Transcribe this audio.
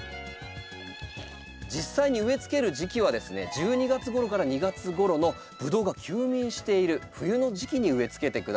実際に植え付ける時期はですね１２月ごろから２月ごろのブドウが休眠している冬の時期に植え付けてください。